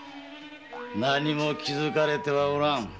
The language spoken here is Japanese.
何も気づかれてはおらん。